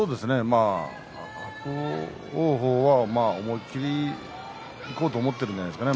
伯桜鵬は思いっきりいこうと思っているんじゃないですか。